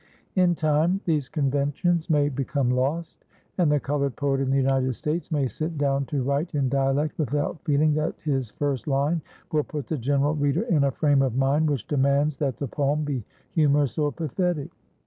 In time these conventions may become lost, and the colored poet in the United States may sit down to write in dialect without feeling that his first line will put the general reader in a frame of mind which demands that the poem be humorous or pathetic.